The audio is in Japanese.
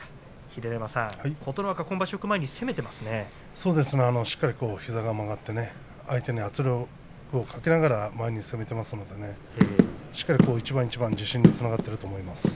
秀ノ山さん、琴ノ若よく膝が曲がって相手に圧力をかけながら前に攻めていますのでしっかりと一番一番に自信につながっていると思います。